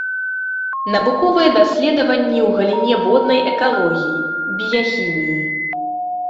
Навуковыя даследаванні ў галіне воднай экалогіі, біяхіміі.